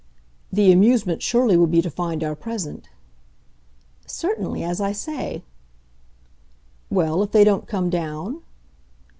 "The amusement surely will be to find our present." "Certainly as I say." "Well, if they don't come down